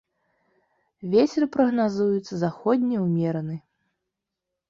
Вецер прагназуецца заходні ўмераны.